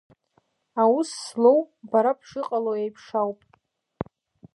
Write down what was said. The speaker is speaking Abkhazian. Аус злоу бара бшыҟало еиԥш ауп.